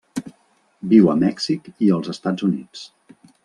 Viu a Mèxic i els Estats Units.